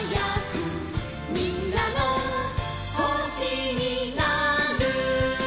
「みんなのほしになる」